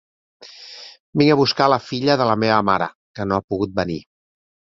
Vinc a buscar la filla de la meva mare, que no ha pogut venir.